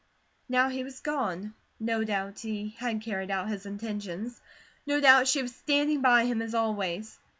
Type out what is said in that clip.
Now he was gone. No doubt he had carried out his intentions. No doubt she was standing by him as always.